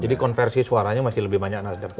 jadi konversi suaranya masih lebih banyak nasdem